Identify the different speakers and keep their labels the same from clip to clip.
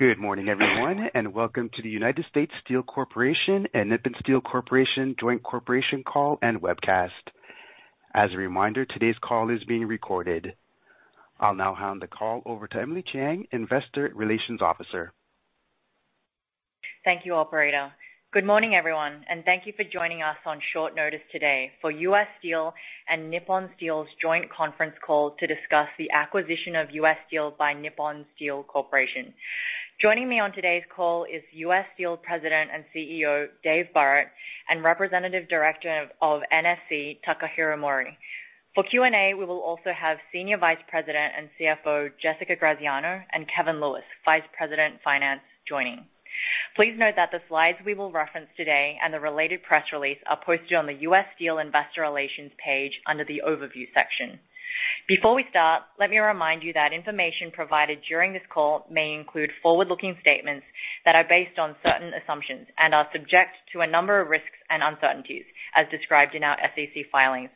Speaker 1: Good morning, everyone, and welcome to the United States Steel Corporation and Nippon Steel Corporation Joint Corporation Call and Webcast. As a reminder, today's call is being recorded. I'll now hand the call over to Emily Chieng, investor relations officer.
Speaker 2: Thank you, operator. Good morning, everyone, and thank you for joining us on short notice today for U. S. Steel and Nippon Steel's joint conference call to discuss the acquisition of U. S. Steel by Nippon Steel Corporation. Joining me on today's call is U. S. Steel President and CEO, Dave Burritt, and Representative Director of NSC, Takahiro Mori. For Q&A, we will also have Senior Vice President and CFO, Jessica Graziano, and Kevin Lewis, Vice President, Finance, joining. Please note that the slides we will reference today and the related press release are posted on the U. S. Steel investor relations page under the overview section. Before we start, let me remind you that information provided during this call may include forward-looking statements that are based on certain assumptions and are subject to a number of risks and uncertainties, as described in our SEC filings.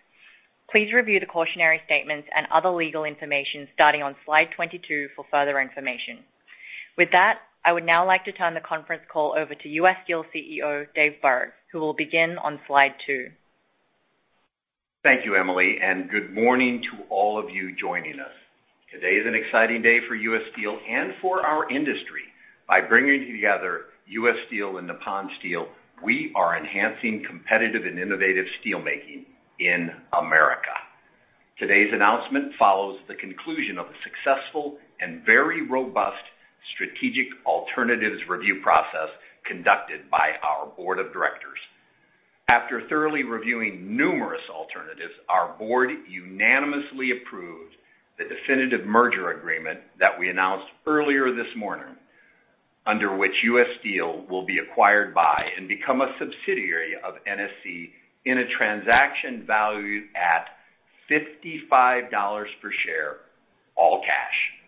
Speaker 2: Please review the cautionary statements and other legal information starting on slide 22 for further information. With that, I would now like to turn the conference call over to U.S. Steel CEO, Dave Burritt, who will begin on slide 2.
Speaker 3: Thank you, Emily, and good morning to all of you joining us. Today is an exciting day for U. S. Steel and for our industry. By bringing together U. S. Steel and Nippon Steel, we are enhancing competitive and innovative steelmaking in America. Today's announcement follows the conclusion of a successful and very robust strategic alternatives review process conducted by our board of directors. After thoroughly reviewing numerous alternatives, our board unanimously approved the definitive merger agreement that we announced earlier this morning, under which U. S. Steel will be acquired by and become a subsidiary of NSC in a transaction valued at $55 per share, all cash.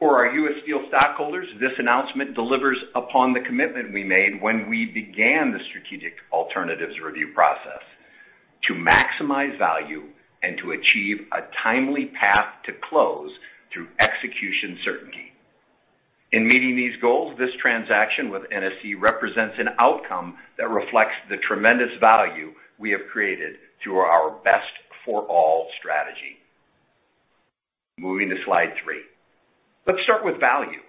Speaker 3: For our U. S. Steel stockholders, this announcement delivers upon the commitment we made when we began the strategic alternatives review process to maximize value and to achieve a timely path to close through execution certainty. In meeting these goals, this transaction with NSC represents an outcome that reflects the tremendous value we have created through our Best for All strategy. Moving to slide three. Let's start with value.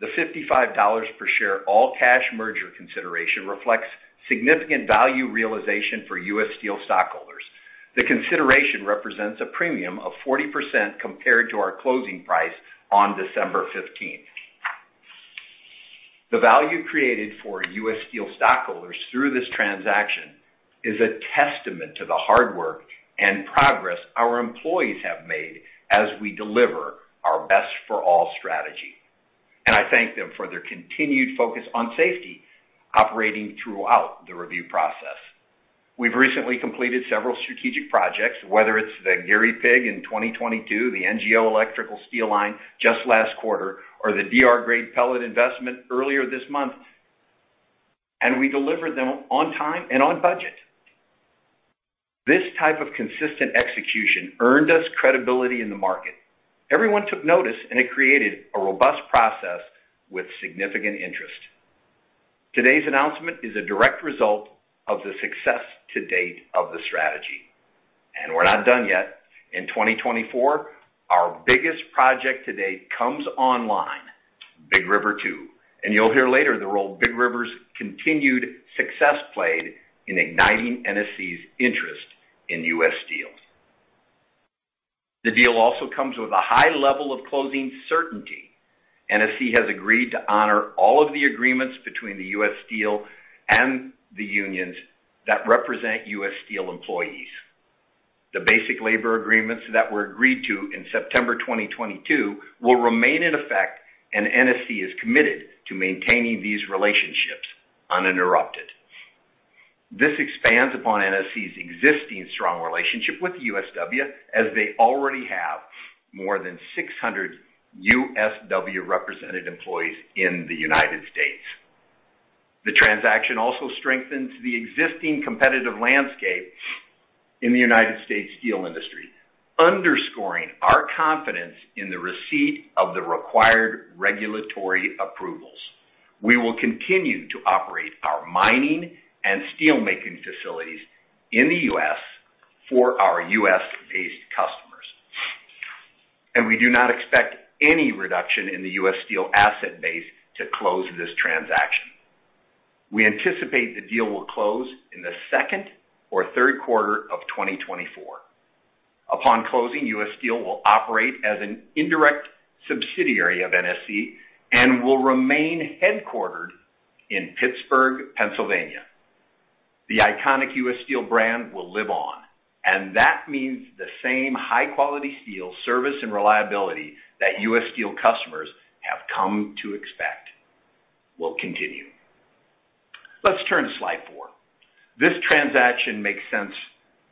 Speaker 3: The $55 per share all-cash merger consideration reflects significant value realization for U. S. Steel stockholders. The consideration represents a premium of 40% compared to our closing price on December fifteenth. The value created for U. S. Steel stockholders through this transaction is a testament to the hard work and progress our employees have made as we deliver our Best for All strategy, and I thank them for their continued focus on safety, operating throughout the review process. We've recently completed several strategic projects, whether it's the Gary Pig in 2022, the NGO electrical steel line just last quarter, or the DR grade pellet investment earlier this month, and we delivered them on time and on budget. This type of consistent execution earned us credibility in the market. Everyone took notice, and it created a robust process with significant interest. Today's announcement is a direct result of the success to date of the strategy, and we're not done yet. In 2024, our biggest project to date comes online, Big River 2, and you'll hear later the role Big River's continued success played in igniting NSC's interest in U. S. Steel. The deal also comes with a high level of closing certainty. NSC has agreed to honor all of the agreements between the U. S. Steel and the unions that represent U. S. Steel employees. The basic labor agreements that were agreed to in September 2022 will remain in effect, and NSC is committed to maintaining these relationships uninterrupted. This expands upon NSC's existing strong relationship with the USW, as they already have more than 600 USW-represented employees in the United States. The transaction also strengthens the existing competitive landscape in the United States steel industry, underscoring our confidence in the receipt of the required regulatory approvals. We will continue to operate our mining and steelmaking facilities in the U.S. for our U.S.-based customers. We do not expect any reduction in the U. S. Steel asset base to close this transaction. We anticipate the deal will close in the second or third quarter of 2024. Upon closing, U. S. Steel will operate as an indirect subsidiary of NSC and will remain headquartered in Pittsburgh, Pennsylvania. The iconic U. S. Steel brand will live on, and that means the same high-quality steel service and reliability that U. S. Steel customers have come to expect will continue. Let's turn to slide four. This transaction makes sense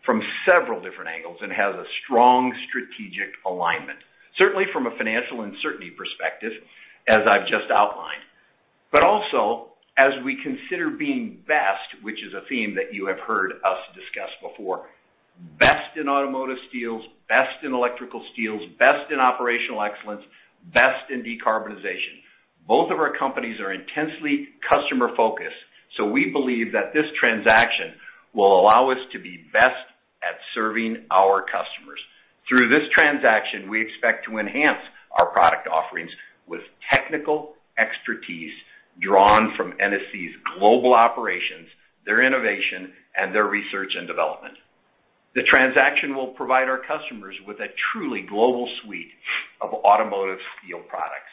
Speaker 3: from several different angles and has a strong strategic alignment, certainly from a financial and certainty perspective, as I've just outlined. But also, as we consider being best, which is a theme that you have heard us discuss before, best in automotive steels, best in electrical steels, best in operational excellence, best in decarbonization. Both of our companies are intensely customer-focused, so we believe that this transaction will allow us to be best at serving our customers. Through this transaction, we expect to enhance our product offerings with technical expertise drawn from NSC's global operations, their innovation, and their research and development. The transaction will provide our customers with a truly global suite of automotive steel products.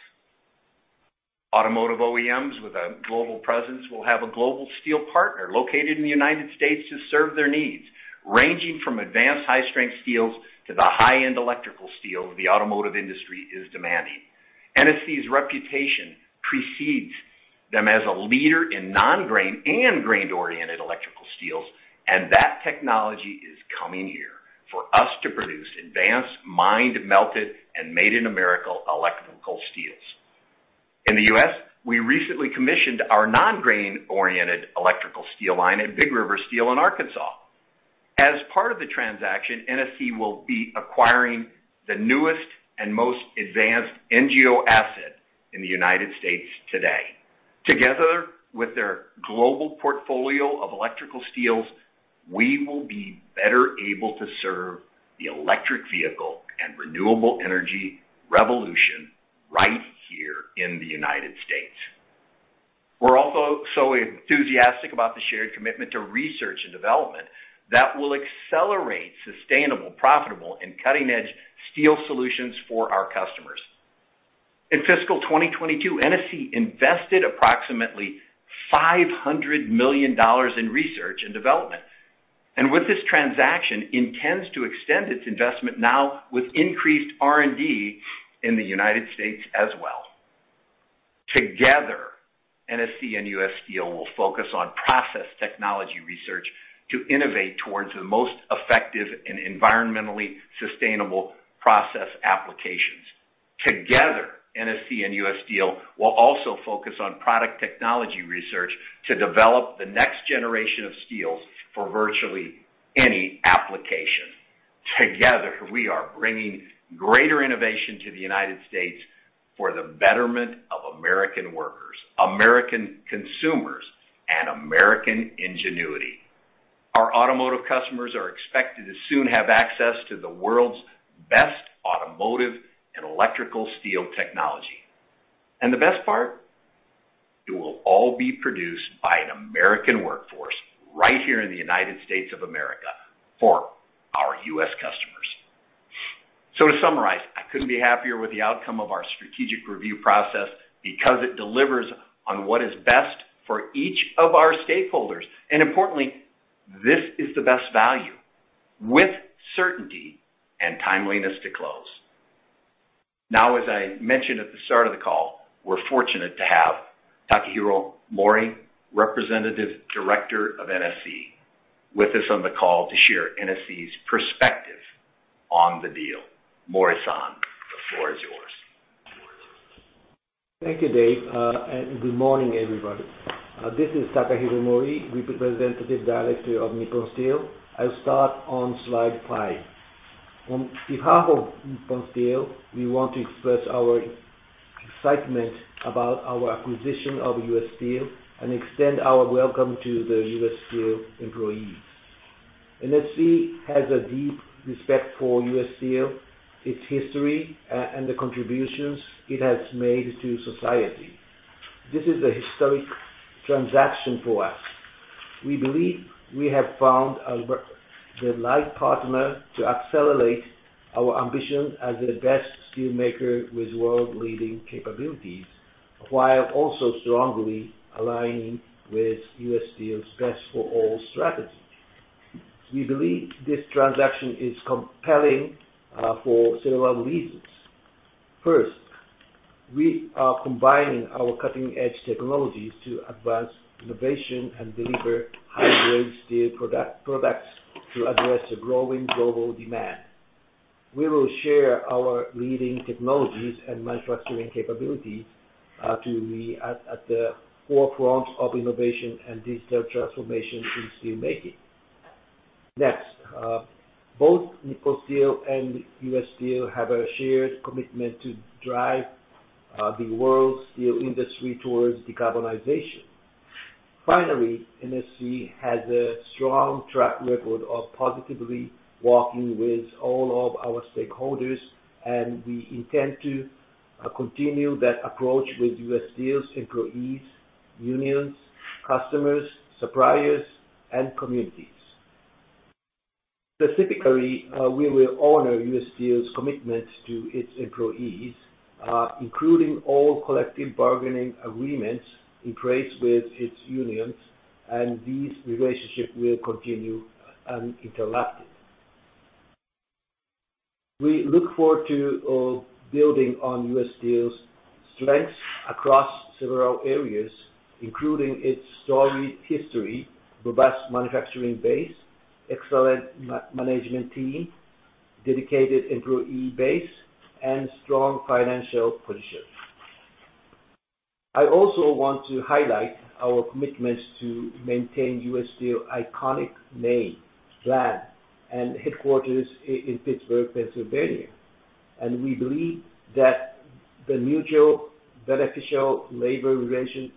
Speaker 3: Automotive OEMs with a global presence will have a global steel partner located in the United States to serve their needs, ranging from advanced high-strength steels to the high-end electrical steels the automotive industry is demanding. NSC's reputation precedes them as a leader in non-grain-oriented and grain-oriented electrical steels, and that technology is coming here for us to produce advanced, mined, melted, and made in America electrical steels. In the US, we recently commissioned our non-grain-oriented electrical steel line at Big River Steel in Arkansas. As part of the transaction, NSC will be acquiring the newest and most advanced NGO asset in the United States today. Together with their global portfolio of electrical steels, we will be better able to serve the electric vehicle and renewable energy revolution right here in the United States. We're also so enthusiastic about the shared commitment to research and development that will accelerate sustainable, profitable, and cutting-edge steel solutions for our customers. In fiscal 2022, NSC invested approximately $500 million in research and development, and with this transaction, intends to extend its investment now with increased R&D in the United States as well. Together, NSC and U. S. Steel will focus on process technology research to innovate towards the most effective and environmentally sustainable process applications. Together, NSC and U. S. Steel will also focus on product technology research to develop the next generation of steels for virtually any application. Together, we are bringing greater innovation to the United States for the betterment of American workers, American consumers, and American ingenuity. Our automotive customers are expected to soon have access to the world's best automotive and electrical steel technology. The best part, it will all be produced by an American workforce right here in the United States of America for our U.S. customers. To summarize, I couldn't be happier with the outcome of our strategic review process because it delivers on what is best for each of our stakeholders, and importantly, this is the best value with certainty and timeliness to close. Now, as I mentioned at the start of the call, we're fortunate to have Takahiro Mori, Representative Director of NSC, with us on the call to share NSC's perspective on the deal. Mori-san, the floor is yours.
Speaker 4: Thank you, Dave, and good morning, everybody. This is Takahiro Mori, Representative Director of Nippon Steel. I'll start on slide five. On behalf of Nippon Steel, we want to express our excitement about our acquisition of U. S. Steel and extend our welcome to the U. S. Steel employees. NSC has a deep respect for U. S. Steel, its history, and the contributions it has made to society. This is a historic transaction for us. We believe we have found the right partner to accelerate our ambition as the best steelmaker with world-leading capabilities, while also strongly aligning with U. S. Steel's Best for All strategy. We believe this transaction is compelling for several reasons. First, we are combining our cutting-edge technologies to advance innovation and deliver high-grade steel products to address the growing global demand. We will share our leading technologies and manufacturing capabilities to be at the forefront of innovation and digital transformation in steelmaking. Next, both Nippon Steel and U. S. Steel have a shared commitment to drive the world's steel industry towards decarbonization. Finally, NSC has a strong track record of positively working with all of our stakeholders, and we intend to continue that approach with U. S. Steel's employees, unions, customers, suppliers, and communities. Specifically, we will honor U. S. Steel's commitment to its employees, including all collective bargaining agreements in place with its unions, and these relationships will continue uninterrupted. We look forward to building on U. S. Steel's strengths across several areas, including its storied history, robust manufacturing base, excellent management team, dedicated employee base, and strong financial position. I also want to highlight our commitments to maintain U. S. Steel iconic name, brand, and headquarters in Pittsburgh, Pennsylvania. We believe that the mutual beneficial labor relations,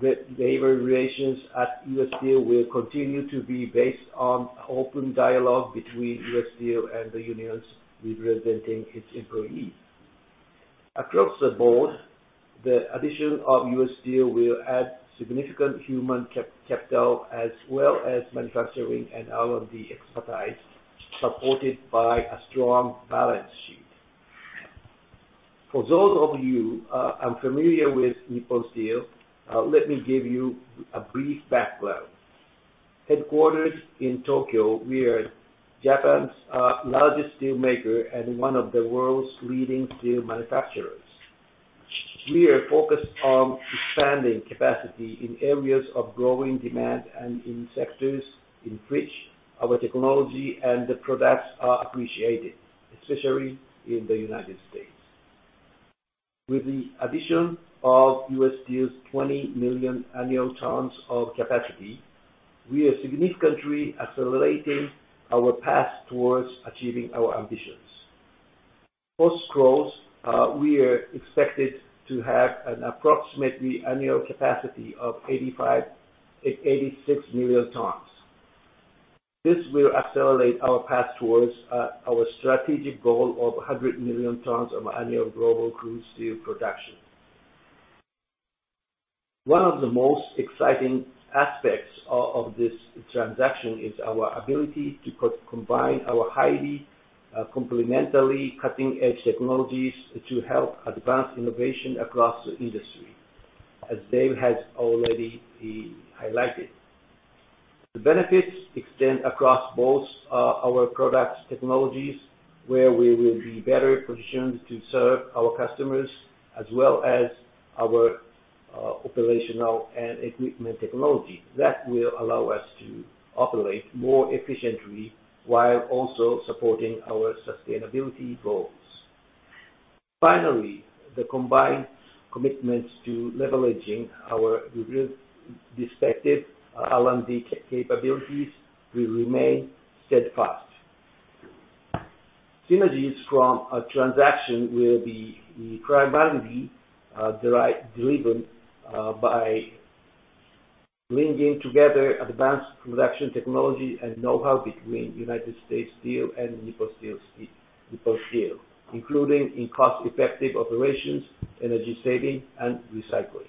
Speaker 4: the labor relations at U. S. Steel will continue to be based on open dialogue between U. S. Steel and the unions representing its employees. Across the board, the addition of U. S. Steel will add significant human capital, as well as manufacturing and R&D expertise, supported by a strong balance sheet. For those of you unfamiliar with Nippon Steel, let me give you a brief background. Headquartered in Tokyo, we are Japan's largest steelmaker and one of the world's leading steel manufacturers. We are focused on expanding capacity in areas of growing demand and in sectors in which our technology and the products are appreciated, especially in the United States. With the addition of U. S. Steel's 20 million annual tons of capacity, we are significantly accelerating our path towards achieving our ambitions. Post-close, we are expected to have an approximately annual capacity of 85-86 million tons. This will accelerate our path towards our strategic goal of 100 million tons of annual global crude steel production. One of the most exciting aspects of this transaction is our ability to combine our highly complementary cutting-edge technologies to help advance innovation across the industry, as Dave has already highlighted. The benefits extend across both our products technologies, where we will be better positioned to serve our customers, as well as our operational and equipment technology. That will allow us to operate more efficiently while also supporting our sustainability goals. Finally, the combined commitments to leveraging our respective R&D capabilities will remain steadfast. Synergies from a transaction will be primarily derived, delivered by bringing together advanced production technology and know-how between United States Steel and Nippon Steel, including in cost-effective operations, energy saving, and recycling.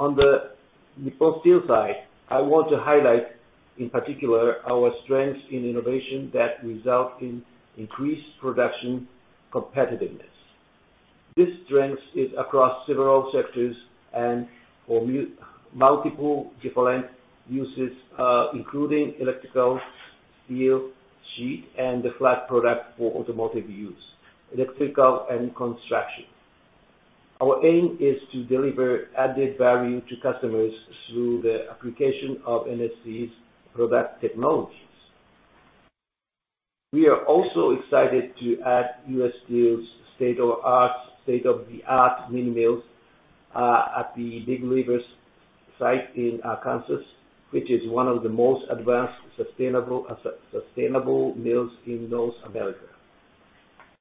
Speaker 4: On the Nippon Steel side, I want to highlight, in particular, our strengths in innovation that result in increased production competitiveness. This strength is across several sectors and for multiple different uses, including electrical steel, sheet, and the flat product for automotive use, electrical and construction. Our aim is to deliver added value to customers through the application of NSC's product technologies. We are also excited to add US Steel's state-of-the-art mini mills at the Big River site in Arkansas, which is one of the most advanced, sustainable mills in North America.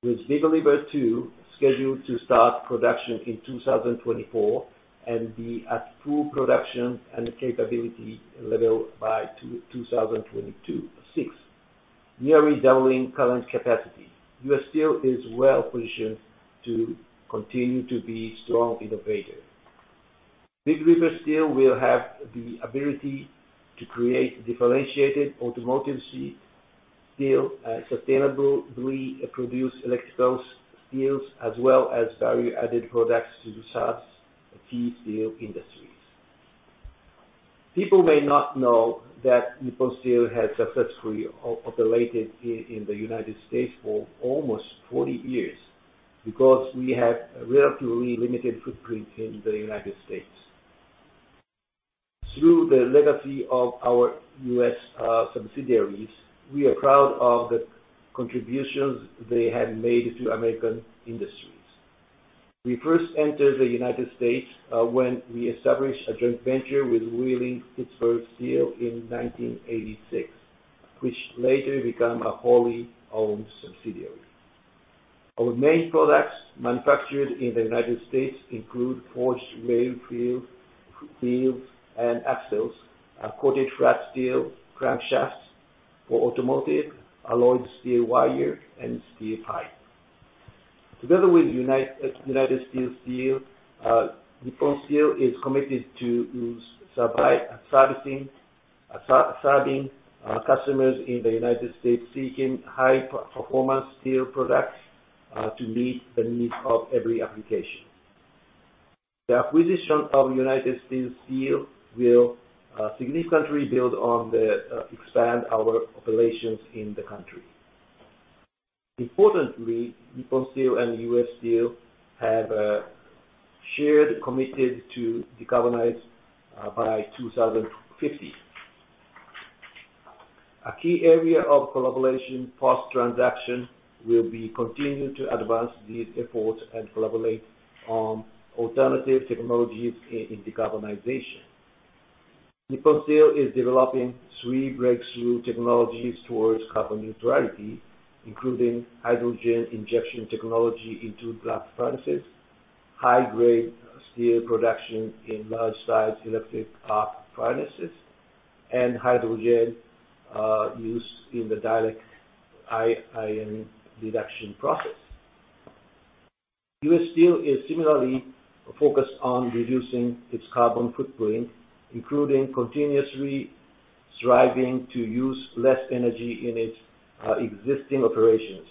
Speaker 4: With Big River Two scheduled to start production in 2024, and be at full production and capability level by 2026, nearly doubling current capacity, U. S. Steel is well positioned to continue to be strong innovator. Big River Steel will have the ability to create differentiated automotive steel, steel, sustainably produce electrical steels, as well as value-added products to the specialty steel industries. People may not know that Nippon Steel has successfully co-operated in the United States for almost 40 years, because we have a relatively limited footprint in the United States. Through the legacy of our U. S. subsidiaries, we are proud of the contributions they have made to American industries. We first entered the United States when we established a joint venture with Wheeling-Pittsburgh Steel in 1986, which later become a wholly-owned subsidiary. Our main products manufactured in the United States include forged rail, wheels, and axles, and coated flat steel, crankshafts for automotive, alloyed steel wire, and steel pipe. Together with United States Steel, Nippon Steel is committed to supply and serving customers in the United States, seeking high performance steel products to meet the needs of every application. The acquisition of United States Steel will significantly build on the expand our operations in the country. Importantly, Nippon Steel and U. S. Steel have shared commitments to decarbonize by 2050. A key area of collaboration post-transaction will be continuing to advance these efforts and collaborate on alternative technologies in decarbonization. Nippon Steel is developing three breakthrough technologies towards carbon neutrality, including hydrogen injection technology into blast furnaces, high-grade steel production in large size electric arc furnaces, and hydrogen used in the direct iron reduction process. U. S. Steel is similarly focused on reducing its carbon footprint, including continuously striving to use less energy in its existing operations,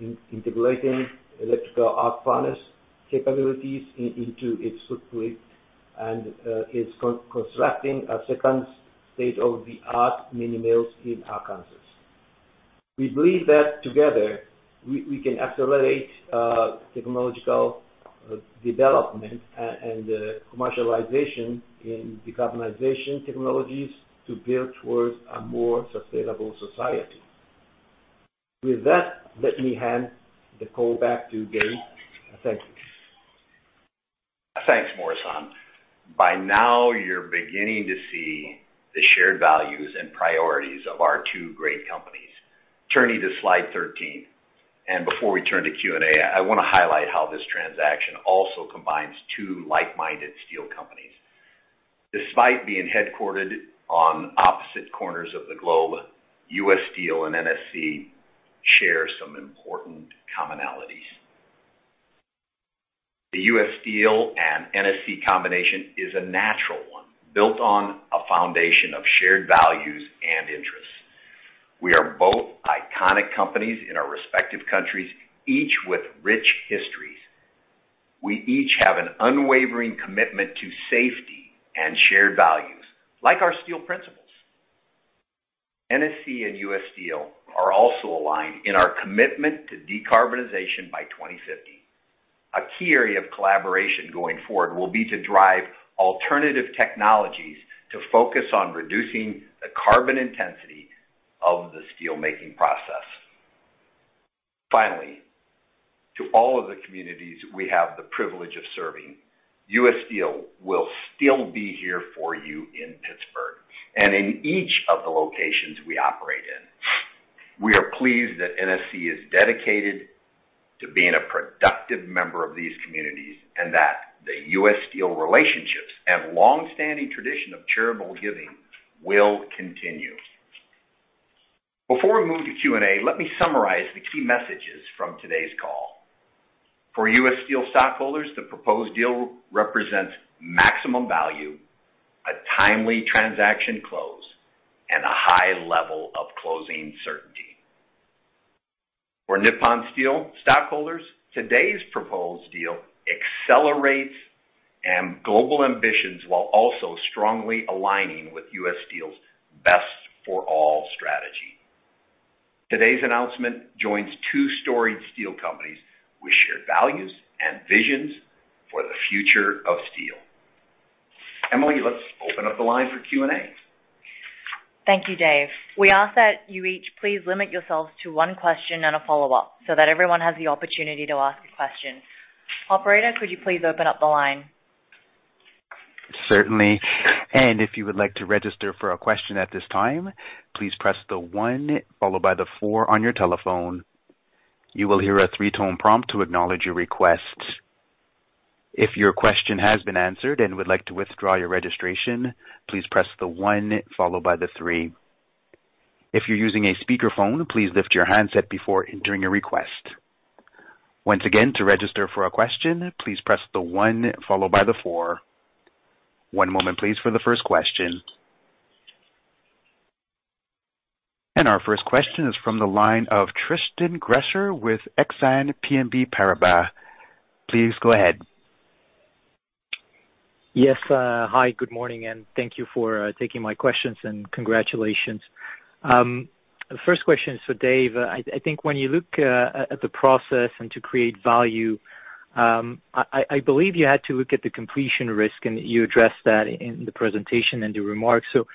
Speaker 4: in integrating electric arc furnace capabilities into its footprint and is constructing a second state-of-the-art mini mills in Arkansas. We believe that together, we can accelerate technological development and commercialization in decarbonization technologies to build towards a more sustainable society. With that, let me hand the call back to Dave. Thank you.
Speaker 3: Thanks, Mori-San. By now, you're beginning to see the shared values and priorities of our two great companies. Turning to slide 13, and before we turn to Q&A, I wanna highlight how this transaction also combines two like-minded steel companies. Despite being headquartered on opposite corners of the globe, U. S. Steel and NSC share some important commonalities. The U. S. Steel and NSC combination is a natural one, built on a foundation of shared values and interests. We are both iconic companies in our respective countries, each with rich histories. We each have an unwavering commitment to safety and shared values, like our steel principles. NSC and U. S. Steel are also aligned in our commitment to decarbonization by 2050. A key area of collaboration going forward will be to drive alternative technologies to focus on reducing the carbon intensity of the steelmaking process. Finally, to all of the communities we have the privilege of serving, U. S. Steel will still be here for you in Pittsburgh and in each of the locations we operate in. We are pleased that NSC is dedicated to being a productive member of these communities, and that the U. S. Steel relationships and long-standing tradition of charitable giving will continue. Before we move to Q&A, let me summarize the key messages from today's call. For U. S. Steel stockholders, the proposed deal represents maximum value, a timely transaction close, and a high level of closing certainty. For Nippon Steel stockholders, today's proposed deal accelerates and global ambitions, while also strongly aligning with U. S. Steel's Best for All strategy. Today's announcement joins two storied steel companies with shared values and visions for the future of steel. Emily, let's open up the line for Q&A.
Speaker 2: Thank you, Dave. We ask that you each please limit yourselves to one question and a follow-up, so that everyone has the opportunity to ask a question. Operator, could you please open up the line?
Speaker 1: Certainly. If you would like to register for a question at this time, please press the one followed by the four on your telephone. You will hear a three-tone prompt to acknowledge your request. If your question has been answered and would like to withdraw your registration, please press the one followed by the three. If you're using a speakerphone, please lift your handset before entering a request. Once again, to register for a question, please press the one followed by the four. One moment, please, for the first question. Our first question is from the line of Tristan Gresser with Exane BNP Paribas. Please go ahead.
Speaker 5: Yes, hi, good morning, and thank you for taking my questions, and congratulations. The first question is for Dave. I think when you look at the process and to create value, I believe you had to look at the completion risk, and you addressed that in the presentation and the remarks. So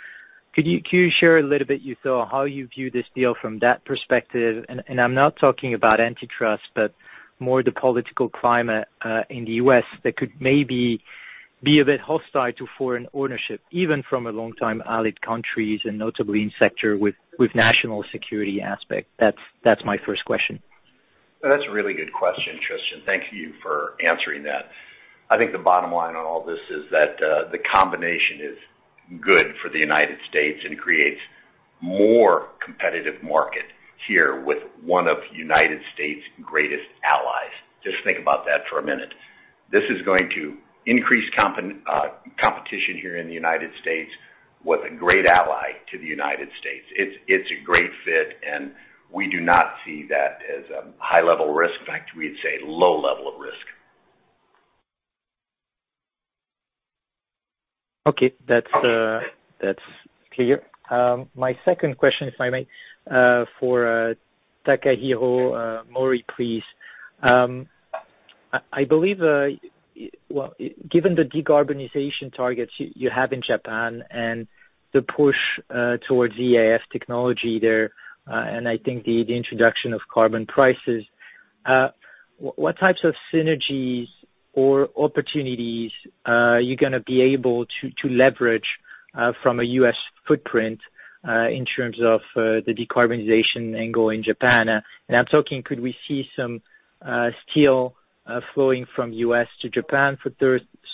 Speaker 5: could you share a little bit your thought, how you view this deal from that perspective? And I'm not talking about antitrust, but more the political climate in the U.S., that could maybe be a bit hostile to foreign ownership, even from a long time allied countries and notably in sector with national security aspect. That's my first question.
Speaker 3: That's a really good question, Tristan. Thank you for answering that. I think the bottom line on all this is that the combination is good for the United States and creates more competitive market here with one of United States' greatest allies. Just think about that for a minute. This is going to increase competition here in the United States with a great ally to the United States. It's a great fit, and we do not see that as a high level risk. In fact, we'd say low level of risk....
Speaker 5: Okay, that's clear. My second question, if I may, for Takahiro Mori, please. I believe, well, given the decarbonization targets you have in Japan and the push towards EAF technology there, and I think the introduction of carbon prices, what types of synergies or opportunities are you gonna be able to leverage from a U.S. footprint in terms of the decarbonization angle in Japan? And I'm talking, could we see some steel flowing from U.S. to Japan for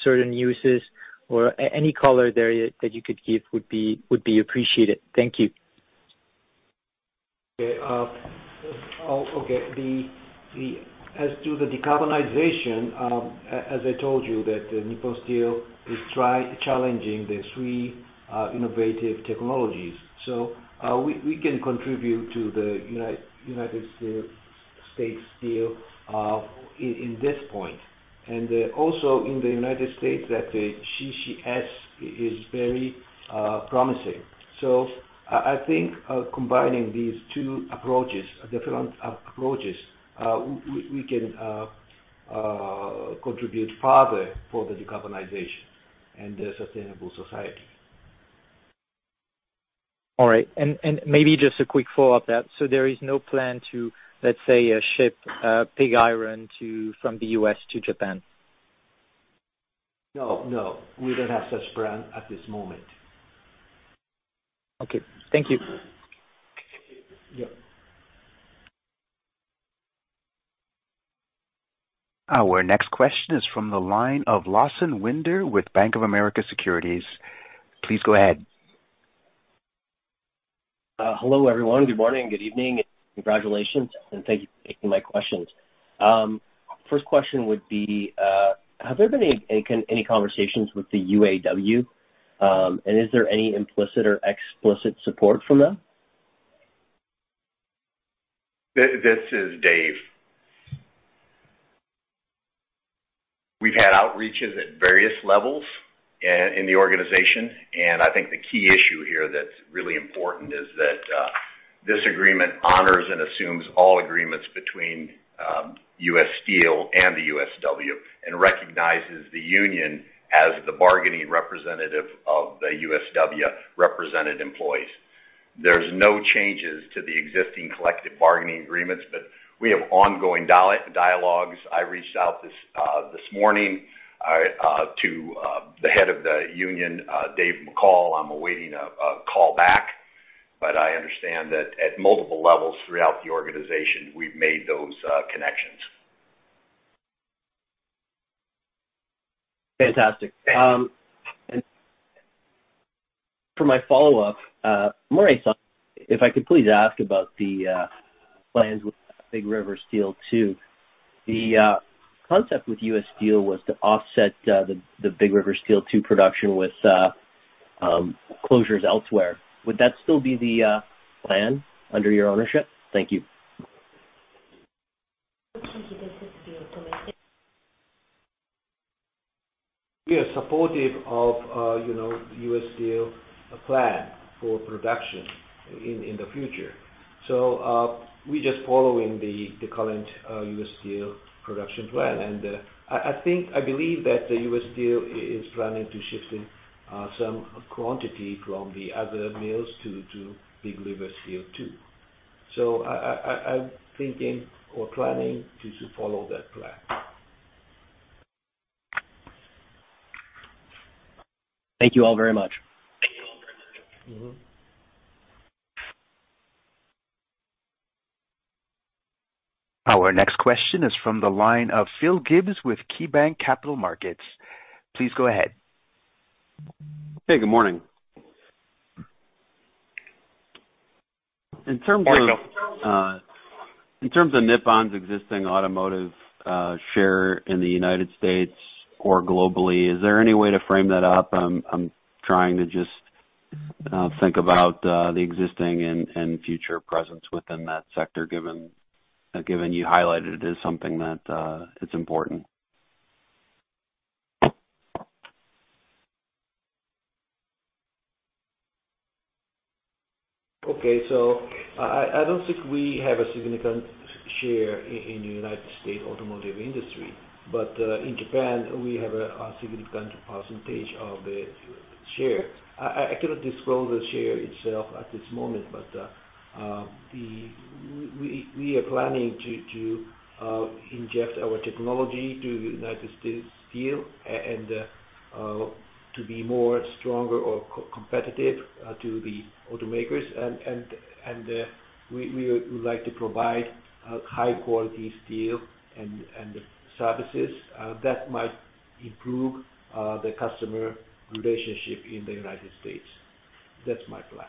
Speaker 5: certain uses? Or any color there that you could give would be appreciated. Thank you.
Speaker 4: Okay, oh, okay. The as to the decarbonization, as I told you, that Nippon Steel is challenging the three innovative technologies. So, we can contribute to the United States steel in this point. And also in the United States, that the CCS is very promising. So I think combining these two approaches, different approaches, we can contribute further for the decarbonization and the sustainable society.
Speaker 5: All right. And maybe just a quick follow-up, so there is no plan to, let's say, ship pig iron from the U.S. to Japan?
Speaker 4: No, no, we don't have such plan at this moment.
Speaker 5: Okay. Thank you.
Speaker 4: Yeah.
Speaker 1: Our next question is from the line of Lawson Winder with Bank of America Securities. Please go ahead.
Speaker 6: Hello, everyone. Good morning, good evening, and congratulations, and thank you for taking my questions. First question would be, have there been any conversations with the UAW, and is there any implicit or explicit support from them?
Speaker 3: This is Dave. We've had outreaches at various levels in the organization, and I think the key issue here that's really important is that this agreement honors and assumes all agreements between U. S. Steel and the USW, and recognizes the union as the bargaining representative of the USW represented employees. There's no changes to the existing collective bargaining agreements, but we have ongoing dialogues. I reached out this morning to the head of the union, Dave McCall. I'm awaiting a call back. But I understand that at multiple levels throughout the organization, we've made those connections.
Speaker 6: Fantastic. And for my follow-up, Mori-san, if I could please ask about the plans with Big River Steel Two. The concept with U. S. Steel was to offset the Big River Steel Two production with closures elsewhere. Would that still be the plan under your ownership? Thank you.
Speaker 4: We are supportive of, you know, U. S. Steel plan for production in the future. So, we just following the current U. S. Steel production plan. And, I think, I believe that the U. S. Steel is planning to shifting some quantity from the other mills to Big River Steel 2. So I'm thinking or planning to follow that plan.
Speaker 6: Thank you all very much.
Speaker 1: Our next question is from the line of Phil Gibbs with KeyBanc Capital Markets. Please go ahead.
Speaker 7: Hey, good morning. In terms of, in terms of Nippon's existing automotive share in the United States or globally, is there any way to frame that up? I'm, I'm trying to just, think about, the existing and, and future presence within that sector, given, given you highlighted it as something that, is important.
Speaker 4: Okay. So I don't think we have a significant share in the United States automotive industry, but in Japan, we have a significant percentage of the share. I cannot disclose the share itself at this moment, but the... We are planning to inject our technology to United States Steel and to be more stronger or competitive to the automakers. And we would like to provide high quality steel and services that might improve the customer relationship in the United States. That's my plan.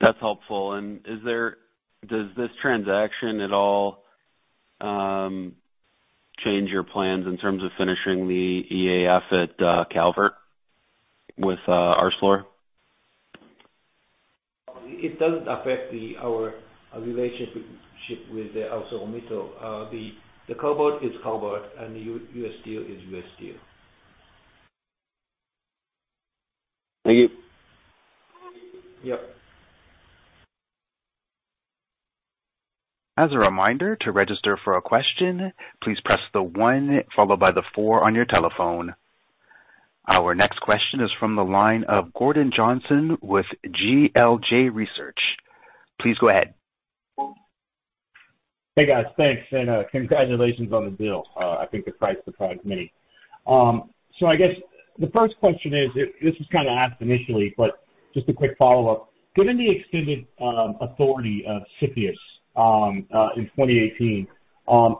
Speaker 7: That's helpful. Does this transaction at all change your plans in terms of finishing the EAF at Calvert with ArcelorMittal?...
Speaker 4: it doesn't affect our relationship with ArcelorMittal. The Cobalt is Cobalt and U.S. Steel is U.S. Steel.
Speaker 5: Thank you.
Speaker 4: Yep.
Speaker 1: As a reminder, to register for a question, please press the 1 followed by the 4 on your telephone. Our next question is from the line of Gordon Johnson with GLJ Research. Please go ahead.
Speaker 8: Hey, guys. Thanks, and, congratulations on the deal. I think the price surprised many. So I guess the first question is, this was kind of asked initially, but just a quick follow-up: Given the extended authority of CFIUS, in 2018,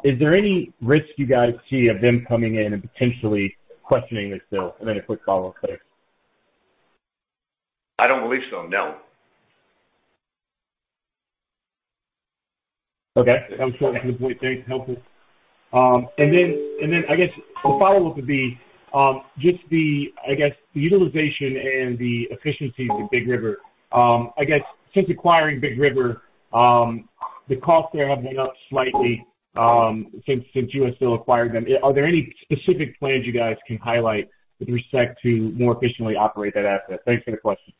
Speaker 8: is there any risk you guys see of them coming in and potentially questioning this deal? And then a quick follow-up later.
Speaker 3: I don't believe so, no.
Speaker 8: Okay. That was short and to the point. Thanks. Helpful. And then I guess the follow-up would be just the utilization and the efficiency of Big River. I guess since acquiring Big River, the costs there have been up slightly, since U. S. Steel acquired them. Are there any specific plans you guys can highlight with respect to more efficiently operate that asset? Thanks for the question.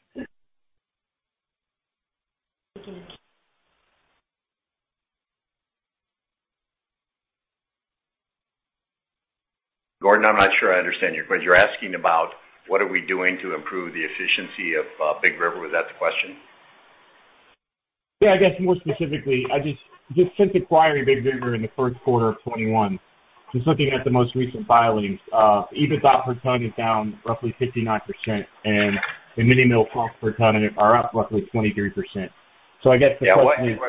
Speaker 3: Gordon, I'm not sure I understand your question. You're asking about what are we doing to improve the efficiency of, Big River, was that the question?
Speaker 8: Yeah, I guess, more specifically, I just, just since acquiring Big River in the first quarter of 2021, just looking at the most recent filings, EBITDA per ton is down roughly 59%, and the mini mill costs per ton are up roughly 23%. So I guess-
Speaker 3: Yeah.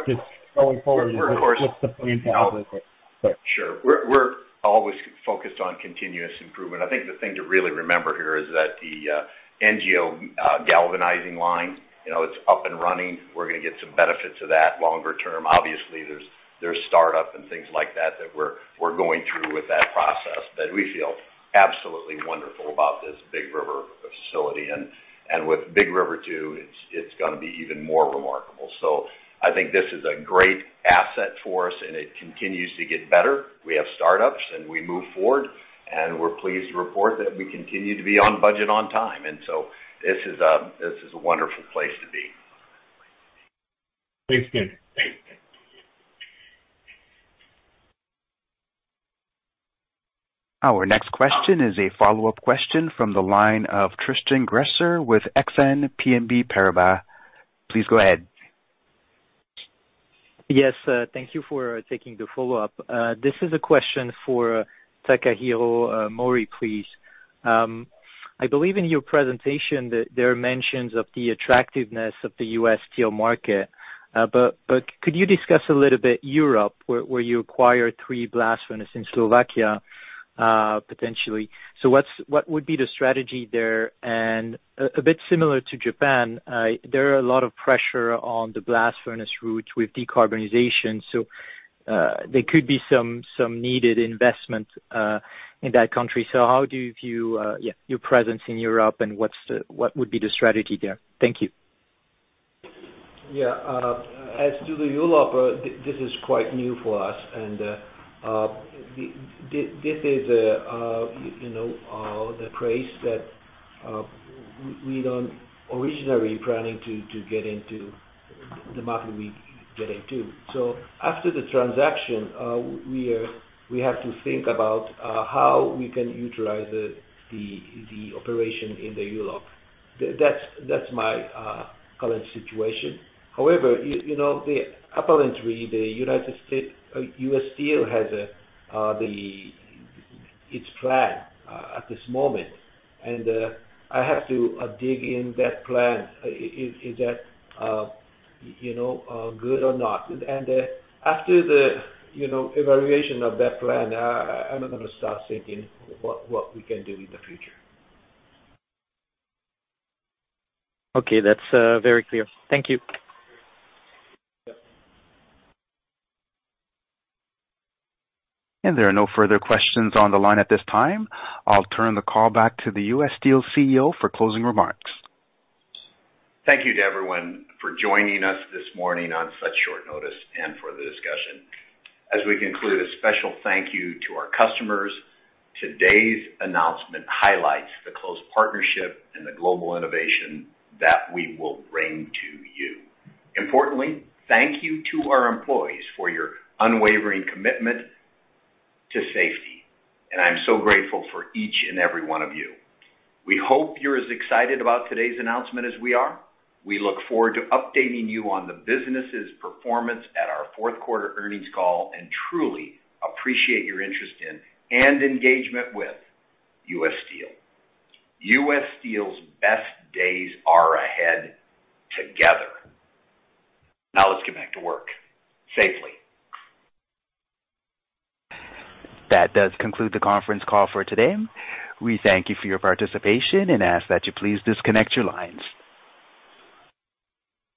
Speaker 8: Just going forward, what's the plan to handle it?
Speaker 3: Sure. We're, we're always focused on continuous improvement. I think the thing to really remember here is that the NGO galvanizing line, you know, it's up and running. We're gonna get some benefits of that longer term. Obviously, there's, there's startup and things like that, that we're, we're going through with that process, that we feel absolutely wonderful about this Big River facility. And, and with Big River Two, it's, it's gonna be even more remarkable. So I think this is a great asset for us, and it continues to get better. We have startups, and we move forward, and we're pleased to report that we continue to be on budget, on time. And so this is a, this is a wonderful place to be.
Speaker 8: Thanks, again.
Speaker 3: Thanks.
Speaker 1: Our next question is a follow-up question from the line of Tristan Gresser with Exane BNP Paribas. Please go ahead.
Speaker 5: Yes, thank you for taking the follow-up. This is a question for Takahiro Mori, please. I believe in your presentation that there are mentions of the attractiveness of the U.S. steel market, but could you discuss a little bit Europe, where you acquired three blast furnace in Slovakia, potentially? So what would be the strategy there? And a bit similar to Japan, there are a lot of pressure on the blast furnace route with decarbonization, so there could be some needed investment in that country. So how do you view your presence in Europe, and what would be the strategy there? Thank you.
Speaker 4: Yeah, as to Europe, this is quite new for us. And, this is, you know, the price that, we don't originally planning to, to get into the market we get into. So after the transaction, we are--we have to think about, how we can utilize the operation in Europe. That's, that's my current situation. However, you know, apparently the U. S. Steel has a, the, its plan, at this moment, and, I have to, dig in that plan. If that, you know, good or not. And, after the, you know, evaluation of that plan, I, I'm gonna start thinking what we can do in the future.
Speaker 5: Okay. That's very clear. Thank you.
Speaker 1: There are no further questions on the line at this time. I'll turn the call back to the U. S. Steel CEO for closing remarks.
Speaker 3: Thank you to everyone for joining us this morning on such short notice and for the discussion. As we conclude, a special thank you to our customers. Today's announcement highlights the close partnership and the global innovation that we will bring to you. Importantly, thank you to our employees for your unwavering commitment to safety, and I'm so grateful for each and every one of you. We hope you're as excited about today's announcement as we are. We look forward to updating you on the business's performance at our fourth quarter earnings call, and truly appreciate your interest in and engagement with U. S. Steel. U. S. Steel's best days are ahead together. Now, let's get back to work, safely.
Speaker 1: That does conclude the conference call for today. We thank you for your participation and ask that you please disconnect your lines.